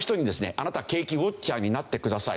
あなた景気ウォッチャーになってください。